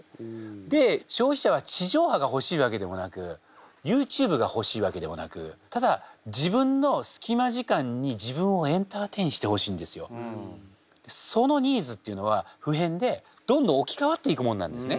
で消費者は地上波がほしいわけでもなくＹｏｕＴｕｂｅがほしいわけでもなくただ自分の隙間時間に自分をエンターテインしてほしいんですよ。そのニーズっていうのは不変でどんどん置き換わっていくもんなんですね。